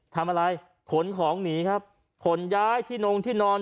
ทำอะไรขนของหนีครับขนย้ายที่นงที่นอน